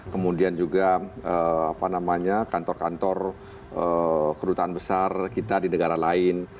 kemudian juga kantor kantor kedutaan besar kita di negara lain